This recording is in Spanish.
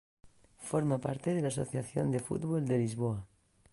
Forma parte de la Asociación de Fútbol de Lisboa.